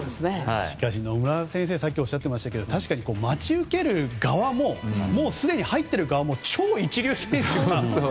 しかし野村先生さっきおっしゃってましたけど確かに待ち受ける側ももうすでに入っている側も超一流選手が。